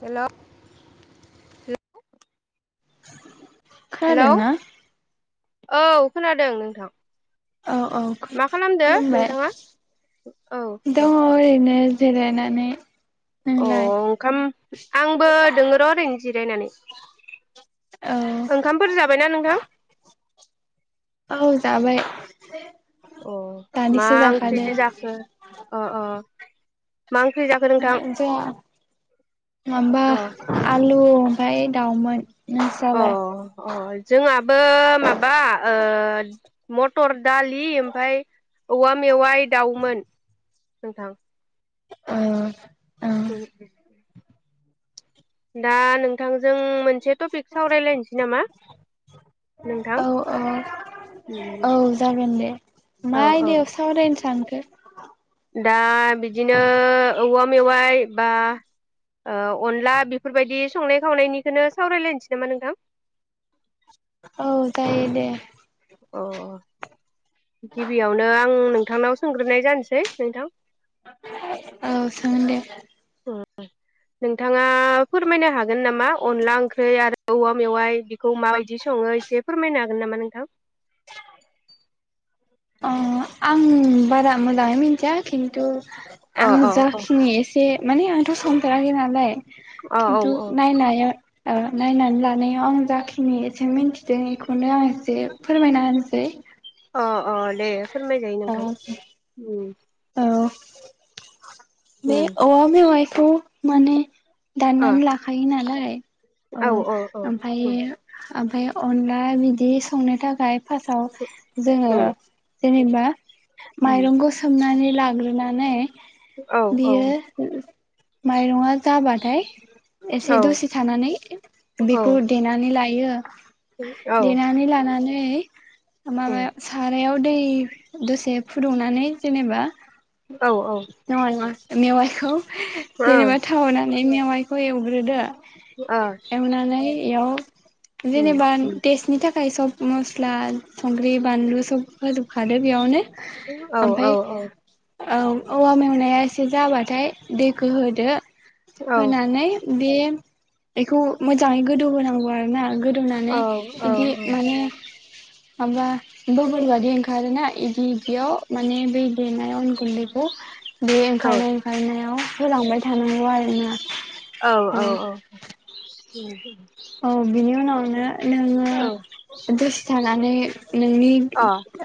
Hello hello [inaudible] hello खानादों ना? औ खोनादों नोंथां औ औ खुलु मा खालामदो नोंथाङा औ -खुलुमबाय औ दङ ओरैनो जेरायनानै अ ओंखाम आंबो दोङो र' ओरैनो जिरायनानै औ ओंखामफोर जाबायना नोंथां? औ जाबाय अ मा दानिसो जाखादो ओंख्रिजों जाखो? अ अ मा ओंख्रि जाखो नोंथां जाया मामबा अ आलु ओमफ्राय दाउमोन अ नोंस्रालाय अ अ जोंहाबो माबा ओ मटर दालि ओमफाय औवा मेवाइ दाउमोन नोंथां ओ ओम ओम दा नोंथांजों मोन नोंथां औ औ औ जागोन दे मा औ औ आयदायाव सावरायनो सान खो दा बिदिनो औवा मेवाइ बा ओ अनला बेफोरबायदि संनाय खावनायनिखौनो सावरायलायनोसै नामा नोंथां औ जायो दे अ गिबियावनो आं नोंथांनाव सोंग्रोनाय जानोसै नोंथां औ सों दे ओम नोंथाङा फोरमायनो हागोन नामा अनला ओंख्रि आरो औवा मेवाइ बेखौ माबायदि सङो एसे फोरमायनो हागोन नामा नोंथां [inaudible] अ आं बारा मोजां मोनथिया खिनथु अ आं अ अ जाखिनि एसे माने आंथ' संफेराखै नालाय अ औ खिनथु औ नायनायाव ओ नायनानै लानायाव आं जाखिनि एसे मिन्थिदों बेखौनो आं एसे फोरमायना होनोसै अ अ दे फोरमायजायो नोंथां ओम ओ औ बे उम औवा मेवाइखौ माने अ दाननानै लाखायो नालाय औ ओमफायो ओमफाय अनला बिदि संनो थाखाय ओमफाय फार्स्टआव जोङो उम जेनेबा उम माइरं गोस नानै लाग्रोनानै औ औ बियो माइरंआ जाबाथाय एसे औ दसे थानानै बेखौ दे लायो देनानै लानानै नै माबा उम सारायाव दै दसे फुदुंना नानै जेनेबा औ औ नङा नङा ओ मेवा खौ ओ जेनेबा टाउना मे मेवाइखौ एवग्रोदो ओ एवनानै इयाव उम जेनेबा उम टेसटनि थाखाय फाय सब मस्ला संग्रि बानलु सब होजोबखादो बेयावनो औ ओमफाय औ औ औ औवा मेवनाया एसे जाबाथाय दैखौ होदो औ होनानै बे बेखौ मोजाङै गोदौ होनांगौ आरो ना गोद औ रुनानै औ बिदि माने हबा बगुरबादि ओंखारो ना इदि इदियाव माने बै देनाय अन गुन्दैखौ बे औ ओंखारनाय ओंखारनायाव होलांबाय थानांगौ आरो औ अ उम ओ औ ना [unintelligible] औ बिनि उनाव बिनो नोङो दसे थानानै नोंनि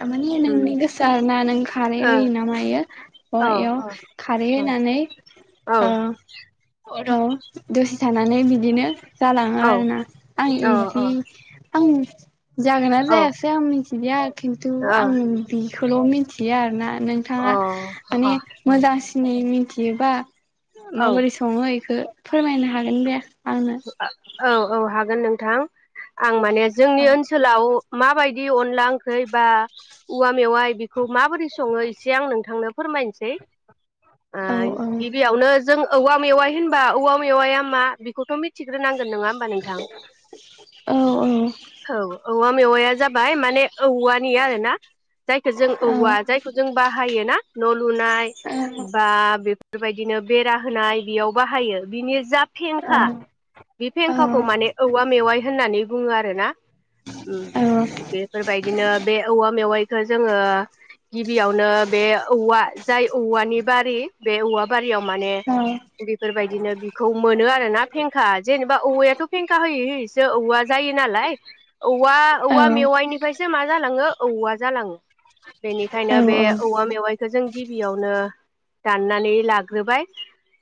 माने नोंनि गोसो आरोना नों खारै होयो ना मायो औ अ बेयाव खारै होनानै अर' दसे थानानै बिदिनो जालाङो आर आं इखि आं जागोना जायासै आं मिथिलिया खिन्थु आंनि बि खौल' मिथिया आरो ना औ नोंथाङा माने मोजांसिनै मिन थियोबा औ माबोरै सङो इखो फोरमायनो हागोन दे आंनो [unintelligible] औ औ हागोन नोंथां आं माने जोंनि औ ओनसोलाव माबायदि अनला ओंख्रि बा औवा मेवाइ बिखौ माबोरै सङो एसे आं नोंथांनो फोरमायनोसै ओ औ औ गिबियावनो जों औवा मेवाइ होनबा औवा मेवाया मा बेखौथ' मिथि थिग्रोनांगोन नङा होमबा नोंथां औ औ औवा मेवाया जाबाय माने औवानि आरो ना जायखौ जों औ औवा जायखौ जों बा योना न'लु नाय बा बे बेबायदिनो बेरा होनाय बेयाव बाहायो बिनि जा औ फेंखा बे औ औ फेंखाखौ माने औवा मेवाइ होननानै बुङो आ रो ना उम बेफोरबायदिनो बे औवा मेवाइ खो जोङो गि बियावनो बे औवा जाय औवानि बारि बे औवा बारियाव माने बेफोरबायदिनो बिखौ मोनो आरोना फें जेनेबा औवाथ' फेंखा होयै होयैसो औवा जायो नालाय औवा औवा मेवाइनिफ्रायसो मा जालाङो औवा जालाङो। बेनिखायनो बे औवा मेवाइखो जों गिबियावनो दाननानै लाग्रोबाय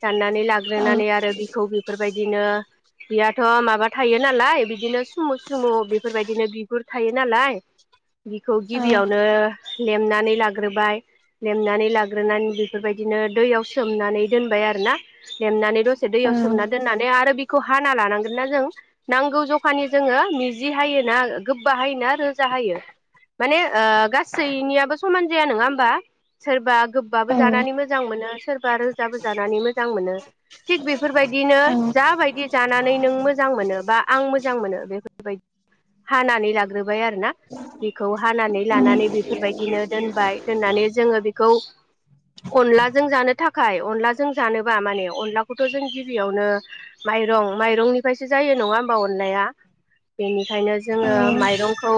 दाननानै लाग्रोनानै आरो बिखौ बेफोरबाय दिनो बियाथ' माबा थायो नालाय बिदिनो सुमु सुमु बेफोरबायदिनो बिगुर थायो नालाय बिखौ गिबियावनो लेमनानै लाग्रोबाय लेमनानै लाग्रोनानै बेफोरबायदिनो दैयाव सोमनानै दोनबाय आरोना लेमनानै दसे दैयाव सोमना दोननानै आरो बिखौ हाना लानांगोन ना जों नांगौ जखानि जोङो मिजि हायोना गोबबा हायोना रोजा हायो माने ओ गासैनियाबो समान जाया नोङा होमबा सोरबा गोबाबो जानानै मोजां मोनो सोरबा रोजाबो जानानै मोजां मोनो थिग बेफोरबायद दिनो जाबायदि जानानै नों मोजां मोनो बा आं मोजां मोनो बेफोरबायदि हानानै लाग्रोबाय आरोना बिखौ हानानै लानानै बेफोरबायदिनो दोनबाय दोननानै जोङो बिखौ अनलाजों जानो थाखाय अनलाजों जानोबा माने अनलाखौथ' जों गि बियावनो माइरं माइरंनिफायसो जायो नङा होमबा अननाया बेनिखायनो जोङो औ माइरंखौ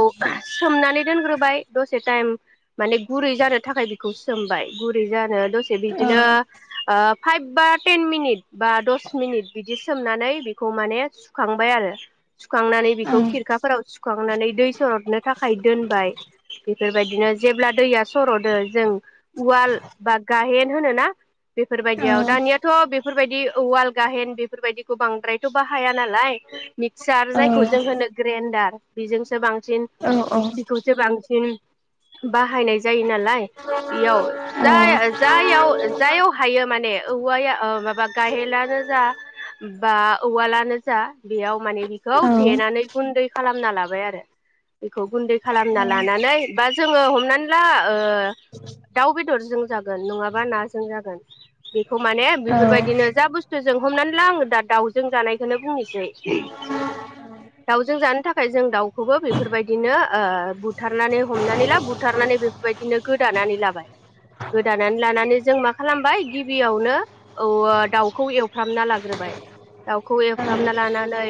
सोमनानै दोनग्रोबाय दसे टाइम माने गुरै जानो थाखाय बिखौ सोमबाय गुरै जानो दस से औ बिदिनो औ ओ फाइभ बा टेन मिनिट बा दस स मिनिट बिदि सोमनानै बिखौ माने सुखांबाय आरो सुखांनानै औ बिखौ खिरखाफोराव सुखांनानै दै सरदनो थाखाय दोनबाय बेफोरबायदिनो जेब्ला दैया सरदो जों उवाल बा गाहेन होनोना बेफोरबायदियाव औ दानियाथ' बेफोरबायदि औवाल गाहेन बेफोरबायदिखौ बांद्रायथ' बाहाया नालाय मिक्सार जायखौ जों होनो ग्रेन्डार बेजोंसो बां सिन औ औ बिखौसो बांसिन बाहायनाय जायो नालाय बेयाव जाय आ जायाव जायाव हायो माने औ आया अ मा [unintelligible] बा उवालानो जा बेयाव माने बिखौ देनानै गुन्दै खालामना लाबाय आरो बेखौ गुन्दै खालामना लानानै बा जोङो हमनानै ला ओ दाउ बेदरजों जागोन नङाबा नाजों जागोन बे खौ माने बेफोरबायदिनो जा बुस थु जों हमनानै ला आङो दा दाउजों जानायखौनो बुंनोसै दाउजों जानो थाखाय जों दाउखौबो बेफोरबायदिनो ओ बुथारनानै हमनानै ला बुथारनानै बेफोरबायदिनो गोदानानै लाबाय गोदानानै लानानै जों मा खालामबाय गिबियावनो औ दाउ खौ एवफ्रामना लाग्रोबाय दाउखौ एवफ्रामना लानानै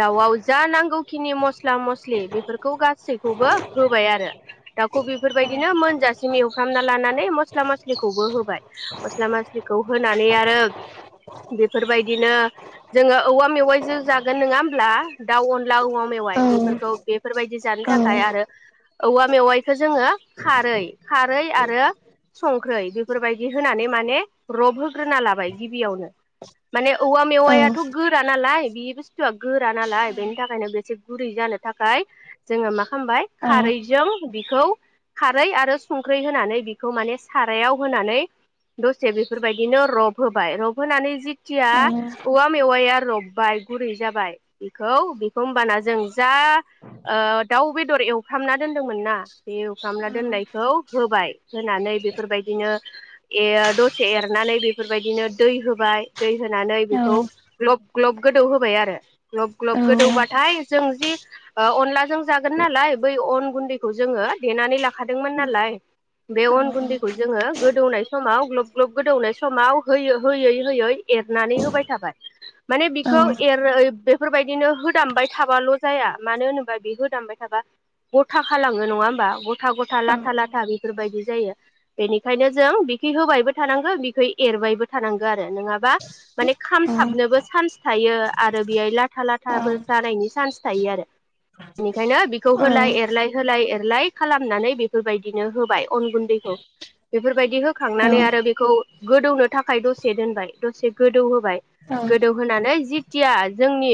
दाउआव जा नांगौखिनि मस्ला मस्लि बेफोरखौ गासैखौबो होबाय आरो दाउखौ बेफोरबायदिनो मोनजासिम एवफ्रामना लानानै मस्ला मस्लिखौबो होबाय मस्ला मस्लिखौ होनानै आरो बेफोरबायदिनो जोङो औवा मेवाइजों जागोन नोङा होमब्ला दाउ अनला औवा मेवाइ बेफोरखौ बेफोरबायदि जानो थाखाय आरो औवा मेवाइखो जोङो खारै खारै आरो संख्रै बेफोरबायदि होनानै माने रब होग्रोना लाबाय गिबियावनो माने औवा मेवायाथ' गोरा नालाय बे बुस्थुआ गोरा नालाय बेनि थाखायनो बे एसे गुरै जानो थाखाय जोङो मा खामबाय खारैजों बेखौ खारै आरो संख्रै होनानै बेखौ माने सारायाव होनानै दसे बेफोरबायदिनो रब होबाय रब होनानै जि थिया औवा मेवाया रबबाय गुरै जाबाय बेखौ बेखौ होमबाना जों जा ओ दाउ बेदर एवफ्रामना दोनदोंमोन ना बे एवफ्रामना दोननायखौ होबाय होनानै बेफोरबायदिनो ए दसे एरनानै बेफोरबायदिनो दै होबाय दै होनानै बेखौ लब ग्लब गोदौ होबाय आरो ग्लब ग्लब गोदौबाथाय जों जि ओ अनलाजों जागोन नालाय बै अन गुन्दैखौ जोङो देनानै लाखादोंमोन नालाय बे अन गुन्दैखौ जोङो गोदौनाय समाव ग्लब ग्लब गोदौनाय समाव होयो होयै होयै एरनानै होबाय थाबाय माने बिखौ एर बेफोरबायदिनो होदामबाय थाबाल' जाया मानो होनोबा बे होदामबाय थाबा ग'था खालाङो नङा होमबा ग ग'था ग'था लाथा लाथा बेफोरबायदि जायो बेनिखायनो जों बिखै होबायबो थानांगौ बिखै एरबायबो थानांगौ आरो नोंआ बा माने खामथाबनोबो चान्स थायो आरो बेहाय ला लाथा लाथाबो जानायनि चान्स थायो आरो ओंखायनो बिखौ होलाय एरलाय होलाय एर लाय खालामनानै बेफोरबायदिनो होबाय अन गुन्दैखौ बेफोरबायदि होखांनानै आरो बेखौ गोदौनो थाखाय दसे दोनबाय दसे गोदौ होबाय गोदौ होनोनानै जिथिया जोंनि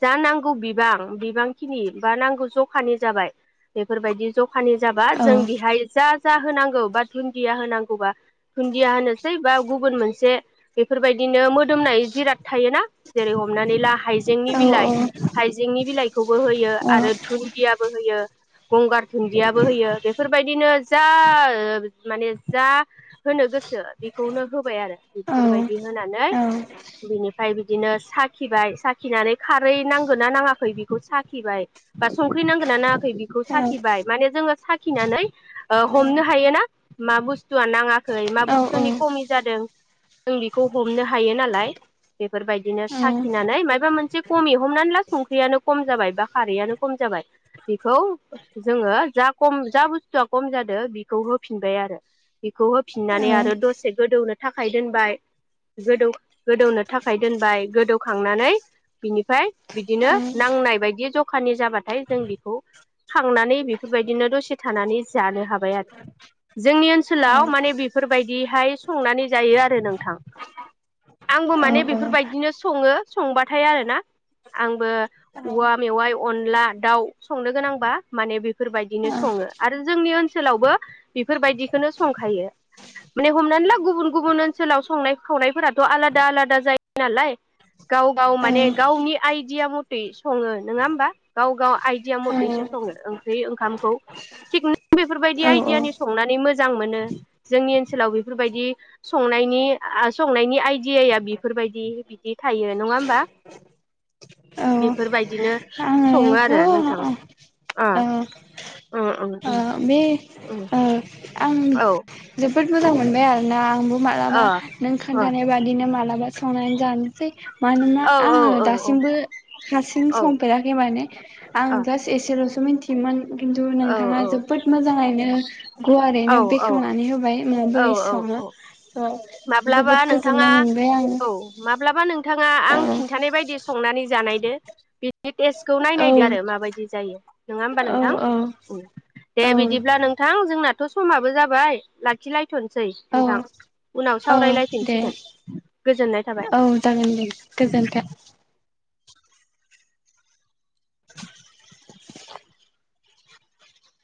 जा नांगौ बिबां बिबांखिनि बा नांगौ जखानि जाबाय बेफोरबायदि जखानि जाबा जों बेहाय जा जा होनांगौ बा दुन्दिया होनांगौबा दुन्दिया होनो खैबा गुबुन मोनसे बेफोरबायदिनो मोदोमनाय जिराद थायोना जेरै हमनानै ला हाइजेंनि बिलाइ हाइजेंनि बिलाइखौबो होयो आरो दुन्दियाबो होयो गंगार दुन्दियाबो होयो बेफोरबायदिनो जा माने जा होनो गोसो बे बेखौनो होबाय आरो बेफोरबायदि होनानै बिनिफ्राय बिदिनो साखिबाय साखिनानै खारै नांगोन ना नाङाखै बिखौ साखिबाय बा संख्रि नांगोन ना नाङाखै बिखौ साखिबाय माने जोङो साखिनानै ओ हमनो हायो ना मा बुस्थुआ नाङाखै मा बुस्थु खमि जादों जों बेखौ हमनो हायो नालाय बेफोरबायदिनो साखिनानै मायबा मोनसे खमि हमनानै ला संख्रियानो खम जाबाय बा खारैआनो खम जाबाय बेखौ जोङो जा खम जा बुस्थुआ खम जादों बेखौ होफिनबाय आरो बेखौ होफिननानै आरो दसे ओ गोदौनो थाखाय दोनबाय गोदौ गोदौनो थाखाय दोनबाय गोदौखांनानै बिनिफाय बिदिनो नांनाय बायदि जखा जखानि जाबाथाय जों बेखौ खांनानै बेफोरबायदिनो दसे थानानै जानो हाबाय आरो जोंनि ओनसोलाव माने बेफोरबायदिहाय संनानै जायो आरो नोंथां आंबो माने बेफोरबायदिनो सङो संबाथाय आरोना आंबो औवा मेवाइ अनला दाउ संनो गोनांबा माने बेफोरबायदिनो सङो आरो जोंनि ओनसोलावबो बेफोरबायदिखौनो संखायो माने हमनानै ला गुबुन गुबुन ओनसोलाव संनाय खावनायफोराथ' आलादा आलादा जायो नालाय गाव गाव माने गावनि आइदिया मथै सङो नोङा होमबा गाव गाव आइदिया मथैसो सङो ओंख्रि ओंखामखौ थिग बेफोर बायदि औ औ औ आइडियानि संनानै मोजां मोजां मोनो जोंनि ओनसोलाव बेफोरबायदि संनायनि आ संनायनि आइडियाया बेफोरबायदि बिदि थायो नङा होमबा औ बेफोरबायदिनो सङो आङोथ' आरो नोंथां औ अ ओ ओ ओं ओं ओ आं औ जोबोद मोजां मोनबाय आरोना आंबो मालाबा अ नों खोनथानाय बादिनो मालाबा संनानै जानोसै मानोना अ औ औ आङो औ दासिमबो हारसिं औ औ संफेराखै माने आं अ जास एसेल'सो मिनथि मोन खिन्थु औ नोंथाङा औ जोबोद मोजाङैनो औ गुवारैनो बेखेवना औ माबोरै औ सङो औ माब्लाबा जोबोद नोंथाङा गोजोननाय मोनबाय आङो औ माब्लाबा नोंथाङा औ आं खिन्थानाय बायदि संनानै जा बानायदो बि बे टेस्टखौ नाय औ नायदो आरो माबायदि जायो नङा होमबा औ नोंथां दे औ बिदिब्ला नोंथां जोंना थ' समाबो जाबाय लाखि लाय दोनथ'नोसै औ नोंथां उनाव औ दे सावरायलायफिनसिगोन गोजोननाय थाबाय औ जागोन दे गोजोन्थों